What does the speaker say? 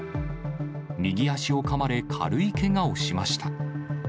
右足をかまれ、軽いけがをしました。